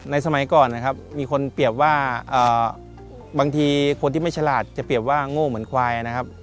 สมัยก่อนนะครับมีคนเปรียบว่าบางทีคนที่ไม่ฉลาดจะเปรียบว่าโง่เหมือนควายนะครับ